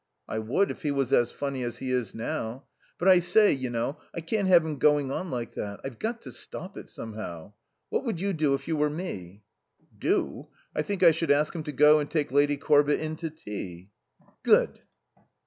"I would, if he was as funny as he is now.... But I say, you know, I can't have him going on like that. I've got to stop it, somehow. What would you do if you were me?" "Do? I think I should ask him to go and take Lady Corbett in to tea." "Good."